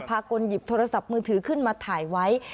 พาคนหยิบโทรศัพท์มือถือขึ้นมาถ่ายไว้